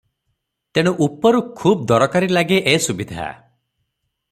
ତେଣୁ ଉପରୁ ଖୁବ ଦରକାରୀ ଲାଗେ ଏ ସୁବିଧା ।